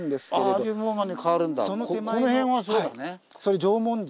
この辺はそうだね。